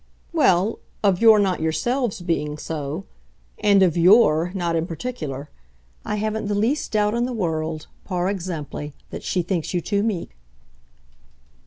"Well, of your not yourselves being so and of YOUR not in particular. I haven't the least doubt in the world, par exemple, that she thinks you too meek."